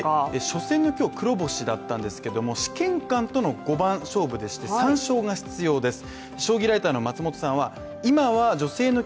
初戦の今日、黒星だったんですけれども試験官との５番勝負でして３勝が必要です。